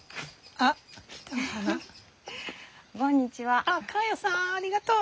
あっ香代さんありがとう！